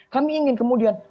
kami ingin kemudian